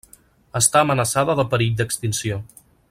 Està amenaçada de perill d'extinció.